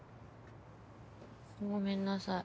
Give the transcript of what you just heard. ごめんなさい。